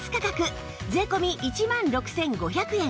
税込１万６５００円